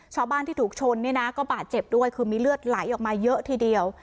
ชาวบ้านที่ถูกชนเนี่ยนะก็บาดเจ็บด้วยคือมีเลือดไหลออกมาเยอะทีเดียว